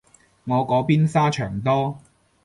我嗰邊沙場多